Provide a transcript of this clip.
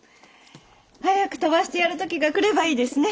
早く飛ばしてやる時が来ればいいですね。